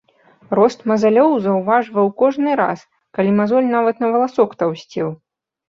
Рост мазалёў заўважваў кожны раз, калі мазоль нават на валасок таўсцеў.